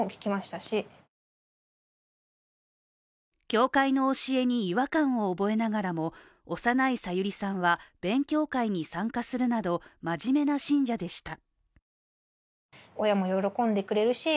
教会の教えに違和感を覚えながらも幼い、さゆりさんは勉強会に参加するなど真面目な信者でした。